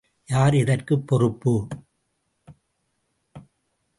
யார் இதற்குப் பொறுப்பு?